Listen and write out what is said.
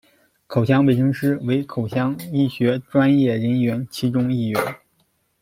口腔卫生师，为口腔医学专业人员其中一员。